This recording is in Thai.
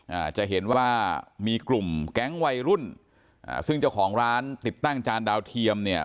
อ่าจะเห็นว่ามีกลุ่มแก๊งวัยรุ่นอ่าซึ่งเจ้าของร้านติดตั้งจานดาวเทียมเนี่ย